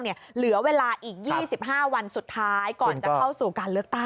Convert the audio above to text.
เหลือเวลาอีก๒๕วันสุดท้ายก่อนจะเข้าสู่การเลือกตั้ง